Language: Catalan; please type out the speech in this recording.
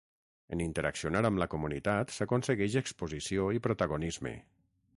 En interaccionar amb la comunitat s’aconsegueix exposició i protagonisme.